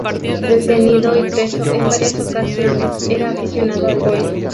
Detenido y preso en varias ocasiones, era aficionado al duelo.